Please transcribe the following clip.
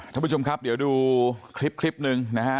ท่านผู้ชมครับเดี๋ยวดูคลิปคลิปหนึ่งนะฮะ